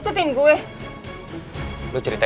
tuh rasanya udah terserah